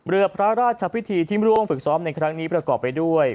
เรือพระราชพิธีที่ร่วมฝึกซ้อมในครั้งนี้ประกอบไปด้วย